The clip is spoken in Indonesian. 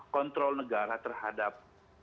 kontrol negara terhadap